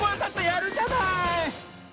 やるじゃない！